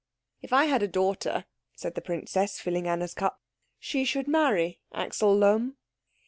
"If I had a daughter," said the princess, filling Anna's cup, "she should marry Axel Lohm."